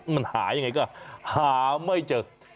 มันหายังไงก็หาไม่เจอ